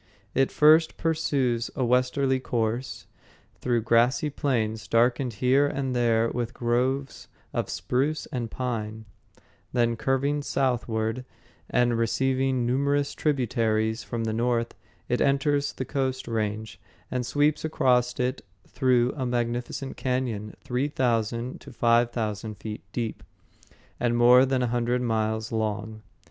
It first pursues a westerly course through grassy plains darkened here and there with groves of spruce and pine; then, curving southward and receiving numerous tributaries from the north, it enters the Coast Range, and sweeps across it through a magnificent cañon three thousand to five thousand feet deep, and more than a hundred miles long.